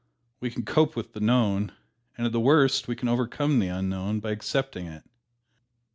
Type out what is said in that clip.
We can cope with the known, and at the worst we can overcome the unknown by accepting it.